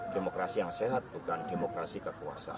demokrasi yang sehat bukan demokrasi kekuasaan